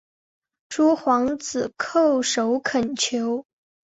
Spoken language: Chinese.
诸皇子叩首恳求。